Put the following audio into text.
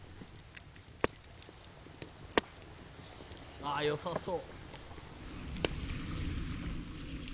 「あっよさそう」